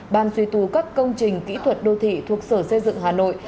ban suy tù các công trình kỹ thuật đô thị thuộc sở xây dựng hà nội